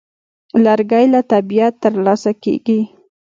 لرګی له طبیعته ترلاسه کېږي.